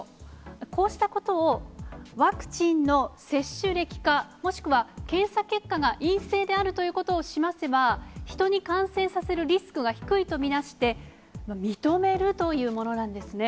こうしたことを、ワクチンの接種歴か、もしくは検査結果が陰性であるということを示せば、人に感染させるリスクが低いと見なして、認めるというものなんですね。